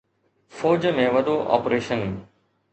فوج ۾ وڏو آپريشن